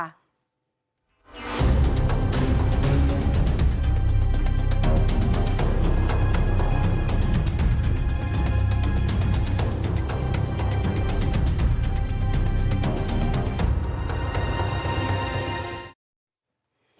อ่า